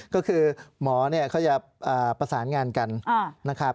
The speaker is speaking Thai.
ก็คือหมอเขาจะประสานงานกันนะครับ